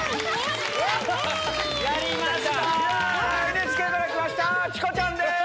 ＮＨＫから来ましたチコちゃんです！